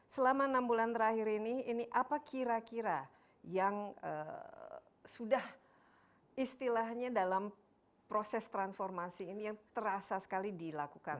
selama enam bulan terakhir ini ini apa kira kira yang sudah istilahnya dalam proses transformasi ini yang terasa sekali dilakukan